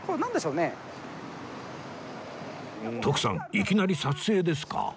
徳さんいきなり撮影ですか？